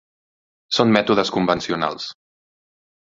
Són mètodes convencionals.